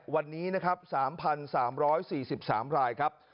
วันนี้๓๓๔๓รายครับ